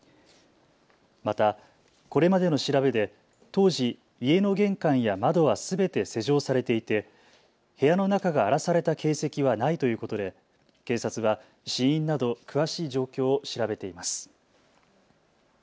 またこれまでの調べで当時、家の玄関や窓はすべて施錠されていて部屋の中が荒らされた形跡はないということで警察が死因など詳しい状況を調べています。